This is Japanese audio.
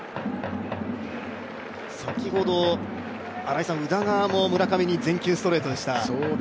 先ほど、宇田川も村上に全球ストレートでした。